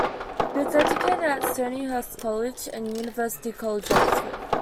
He was educated at Stonyhurst College and University College, Oxford.